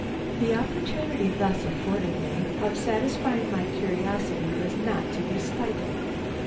The opportunity thus afforded me of satisfying my curiosity was not to be slighted.